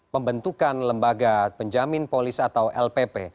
pembentukan lembaga penjamin polis atau lpp